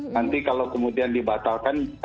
nanti kalau kemudian dibatalkan